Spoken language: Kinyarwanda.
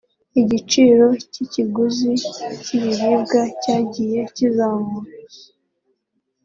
igiciro cy’ikiguzi cy’ibiribwa cyagiye kizamuka